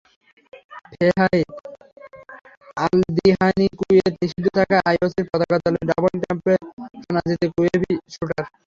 ফেহাইদ আলদিহানিকুয়েত নিষিদ্ধ থাকায় আইওসির পতাকাতলে ডাবল ট্র্যাপে সোনা জিতে কুয়েতি শ্যুটার।